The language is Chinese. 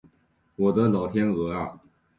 我的老天鹅啊